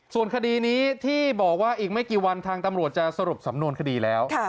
ส่วนคดีนี้ที่บอกว่าอีกไม่กี่วันทางตำรวจจะสรุปสำนวนคดีแล้ว